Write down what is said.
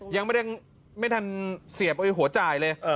ยังไม่ทันเสียบหัวจ่ายเลย